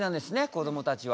こどもたちは。